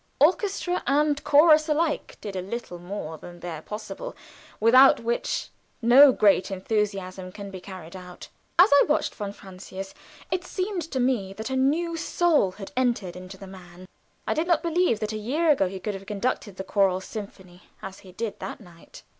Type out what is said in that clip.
Orchestra and chorus alike did a little more than their possible, without which no great enthusiasm can be carried out. As I watched von Francius, it seemed to me that a new soul had entered into the man. I did not believe that a year ago he could have conducted the Choral Symphony as he did that night.